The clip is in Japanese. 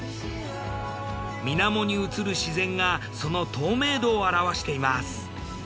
水面に映る自然がその透明度を表しています。